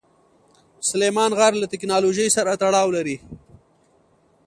سلیمان غر له تکنالوژۍ سره تړاو لري.